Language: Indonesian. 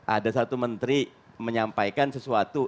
ada satu menteri menyampaikan sesuatu